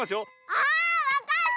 あっわかった！